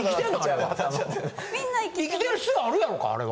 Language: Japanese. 生きてる必要あるやろかあれは。